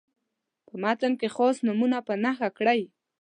په متن کې خاص نومونه په نښه کړئ.